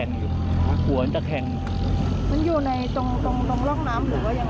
ตรงร่องน้ำหรือว่าอย่างไร